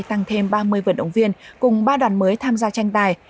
tăng thêm ba mươi vận động viên cùng ba đoàn mới tham gia tranh tài